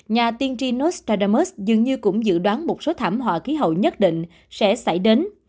nhà tiên trinos tadamus dường như cũng dự đoán một số thảm họa khí hậu nhất định sẽ xảy đến